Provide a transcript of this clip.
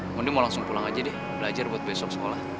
kemudian mau langsung pulang aja deh belajar buat besok sekolah